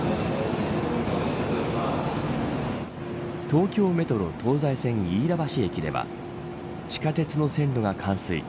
東京メトロ東西線、飯田橋駅では地下鉄の線路が冠水